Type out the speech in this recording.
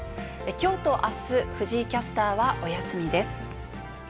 きょうとあす、藤井キャスターはお休みです。